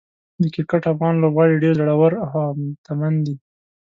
د کرکټ افغان لوبغاړي ډېر زړور او همتمن دي.